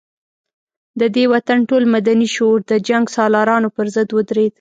د دې وطن ټول مدني شعور د جنګ سالارانو پر ضد ودرېد.